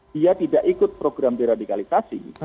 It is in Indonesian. dia tidak ikut program deradikalisasi